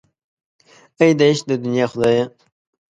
اې د عشق د دنیا خدایه.